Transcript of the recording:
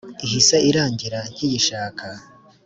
ihise irangira nkiyishaka